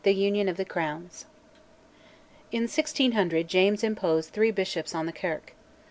UNION OF THE CROWNS. In 1600 James imposed three bishops on the Kirk.